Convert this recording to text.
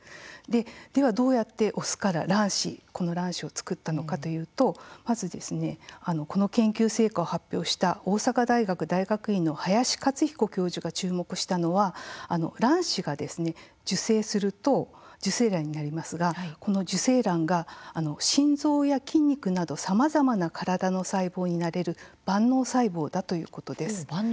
ではどうやってオスから卵子を作ったのかというとまず、この研究成果を発表した大阪大学大学院の林克彦教授が注目したのは卵子が受精すると受精卵になりますがこの受精卵が心臓や筋肉などさまざまな体の細胞になれる万能細胞だということです。